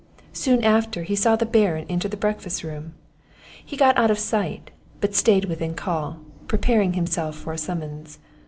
Soon after, he saw the Baron enter the breakfast room; he got out of sight, but staid within call, preparing himself for a summons.